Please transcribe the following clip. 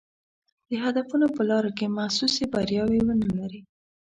د هدفونو په لاره کې محسوسې بریاوې ونه لري.